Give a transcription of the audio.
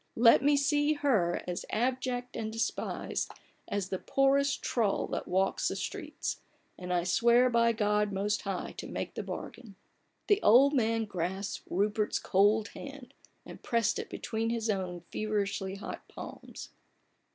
let me see her as abject and despised as the poorest trull that walks the streets, and I swear by God Most High to make the bargain !" The old man grasped Rupert's cold hand, and pressed it between his own feverishly hot palms.